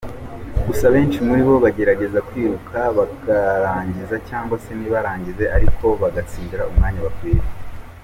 Gusa benshi muri bo bagerageza kwiruka bakarangiza cyangwa se ntibarangize ariko bagatsindira umwanya bakwiye.